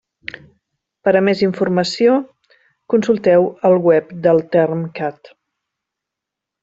Per a més informació, consulteu el web del Termcat.